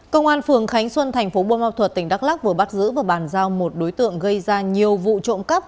công an phường khánh xuân tp bô mau thuật tỉnh đắk lắc vừa bắt giữ và bàn giao một đối tượng gây ra nhiều vụ trộm cắp